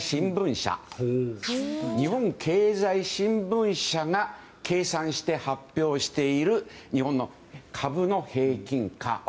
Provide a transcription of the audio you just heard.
日本経済新聞社が計算して発表している日本の株の平均価。